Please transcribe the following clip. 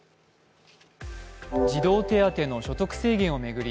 児童手当の所得制限を巡り